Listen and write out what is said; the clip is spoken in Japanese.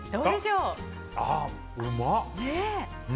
うまっ！